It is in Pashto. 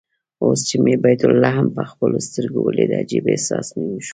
اوس چې مې بیت لحم په خپلو سترګو ولید عجيب احساس مې وشو.